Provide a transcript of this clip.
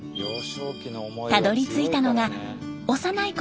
たどりついたのが幼いころ